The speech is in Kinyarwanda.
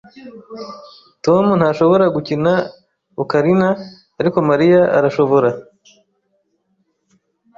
Tom ntashobora gukina ocarina, ariko Mariya arashobora.